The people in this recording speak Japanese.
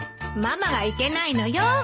ママがいけないのよ。